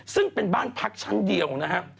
ซึ่งเป็นบ้านพักชั้นเดียวนะฮะ